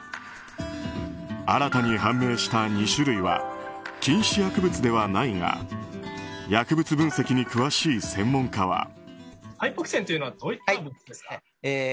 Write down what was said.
新たに判明した２種類は禁止薬物ではないが薬物分析に詳しい専門家は。